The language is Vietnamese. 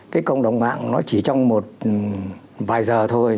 cái cộng đồng mạng nó chỉ trong một vài giờ thôi